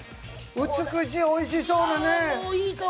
美しい、おいしそうなね。